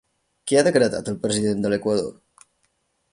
Què ha decretat el president de l'Equador?